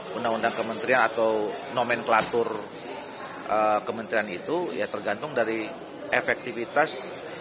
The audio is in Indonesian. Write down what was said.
undang undang kementerian atau nomenklatur kementerian itu ya tergantung dari efektivitas